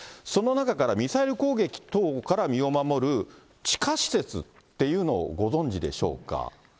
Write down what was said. その中から、ミサイル攻撃等から身を守る地下施設っていうのをご存じでしょうか。